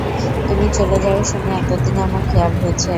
তুমি চলে যাবে শুনে এতদিনে আমার খেয়াল হয়েছে?